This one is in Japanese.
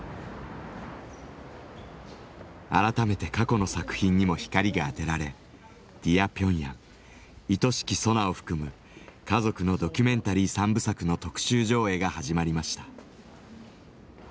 改めて過去の作品にも光が当てられ「ディア・ピョンヤン」「愛しきソナ」を含む家族のドキュメンタリー三部作の特集上映が始まりました。